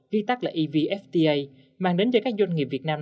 viết tắt là evfta mang đến cho các doanh nghiệp việt nam